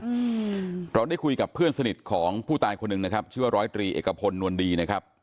อืมเราได้คุยกับเพื่อนสนิทของผู้ตายคนหนึ่งนะครับชื่อว่าร้อยตรีเอกพลนวลดีนะครับ